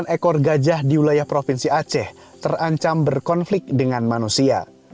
lima ratus tiga puluh sembilan ekor gajah di wilayah provinsi aceh terancam berkonflik dengan manusia